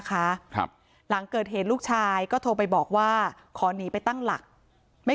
ครับหลังเกิดเหตุลูกชายก็โทรไปบอกว่าขอหนีไปตั้งหลักไม่